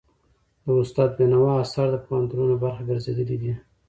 د استاد بينوا آثار د پوهنتونونو برخه ګرځېدلي دي.